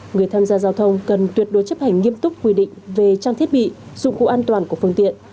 người tham gia giao thông cần tuyệt đối chấp hành nghiêm túc quy định về trang thiết bị dụng cụ an toàn của phương tiện